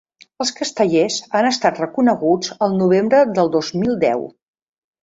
Els castellers han estat reconeguts el novembre del dos mil deu.